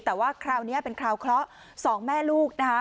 แต่ว่าคราวนี้เป็นคราวเคราะห์สองแม่ลูกนะคะ